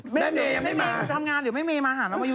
แม่เมย์ไม่มา